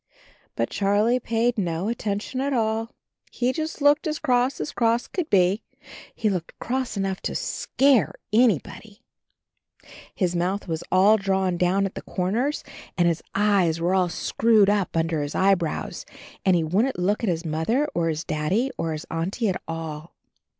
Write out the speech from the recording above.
But Charlie paid no attention at all. He just looked as cross as cross could be — ^he looked cross enough to scare anybody. His mouth was all drawn down at the corners. 52 CHARLIE and his eyes were all screwed up under his eyebrows, and he wouldn't look at his Mother or his Daddy or his Auntie at all.